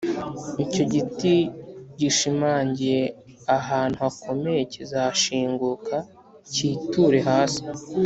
icyo giti gishimangiye ahantu hakomeye kizashinguka, cyiture hasi,